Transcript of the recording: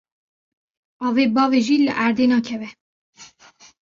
Avê biavêjî li erdê nakeve.